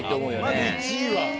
まず１位は。